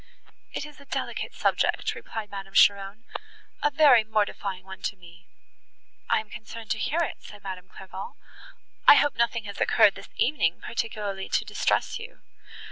"It is a delicate subject," replied Madame Cheron, "a very mortifying one to me." "I am concerned to hear it," said Madame Clairval, "I hope nothing has occurred, this evening, particularly to distress you?"